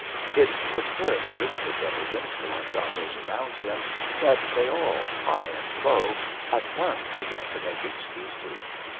It was characteristic of his influence on those around him that they all, high and low, at once began to make excuses.